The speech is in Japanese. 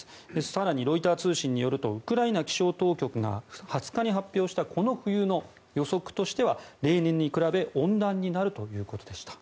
更にロイター通信によるとウクライナ気象当局が２０日に発表したこの冬の予測としては例年に比べ温暖になるということでした。